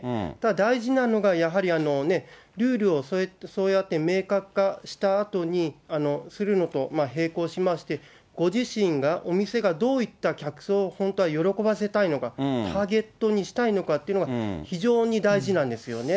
大事なのが、やはりルールをそうやって明確化したあとに、するのと並行しまして、ご自身が、お店がどういった客層を本当に喜ばせたいのか、ターゲットにしたいのかというのが非常に大事なんですよね。